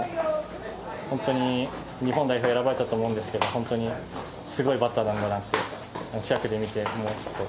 本当に、日本代表に選ばれたと思うんですけど、本当にすごいバッターなんだなって、近くで見て思いました。